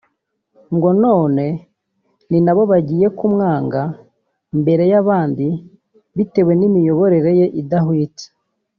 ngo none ni nabo bagiye kumwanga mbere y’abandi bitewe n’imiyoborere ye idahwitse